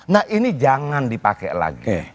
nah ini jangan dipakai lagi